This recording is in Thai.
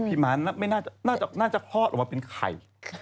ม้าไม่น่าจะคลอดออกมาเป็นไข่